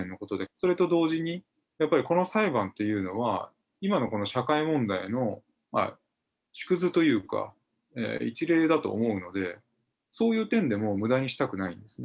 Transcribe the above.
それと同時に、やっぱりこの裁判というのは、今のこの社会問題の縮図というか、一例だと思うので、そういう点でもむだにしたくないですね。